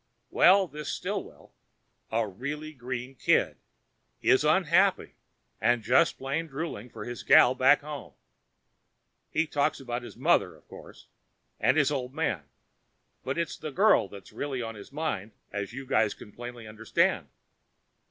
Well, this Stillwell a really green kid is unhappy and just plain drooling for his gal back home. He talks about his mother, of course, and his old man, but it's the girl that's really on his mind as you guys can plainly understand.